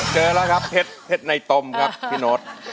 เจอแล้วครับเพชรในตมครับพี่โน๊ต